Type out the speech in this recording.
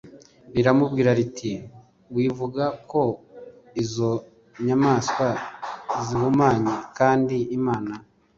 Riramubwira riti wivuga ko izo nyamaswa zihumanye kandi imana